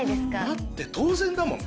なって当然だもんね。